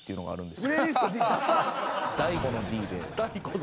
大悟の「Ｄ」で。